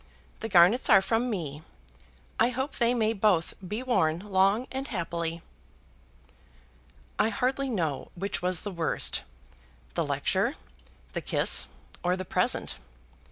The garnets are from me. I hope they may both be worn long and happily." I hardly know which was the worst, the lecture, the kiss, or the present.